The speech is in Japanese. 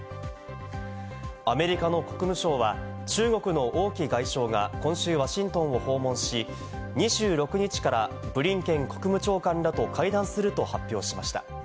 アメリカの国務省は中国のオウ・キ外相が今週ワシントンを訪問し、２６日からブリンケン国務長官らと会談すると発表しました。